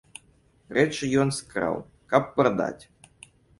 Рэчы ён скраў, каб прадаць.